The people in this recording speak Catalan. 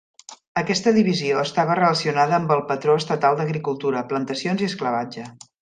Aquesta divisió estava relacionada amb el patró estatal d'agricultura, plantacions i esclavatge.